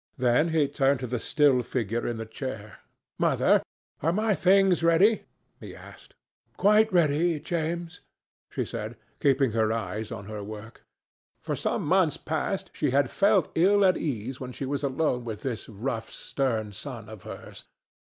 Then he turned to the still figure in the chair. "Mother, are my things ready?" he asked. "Quite ready, James," she answered, keeping her eyes on her work. For some months past she had felt ill at ease when she was alone with this rough stern son of hers.